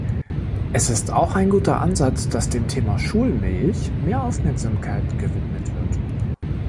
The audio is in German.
Es ist auch ein guter Ansatz, dass dem Thema Schulmilch mehr Aufmerksamkeit gewidmet wird.